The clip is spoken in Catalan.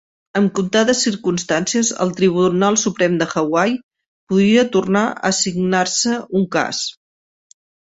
En comptades circumstàncies, el Tribunal Suprem de Hawaii podria tornar a assignar-se un cas.